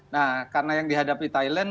nah karena yang dihadapi thailand